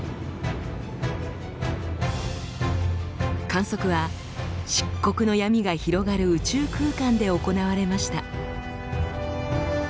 観測は漆黒の闇が広がる宇宙空間で行われました。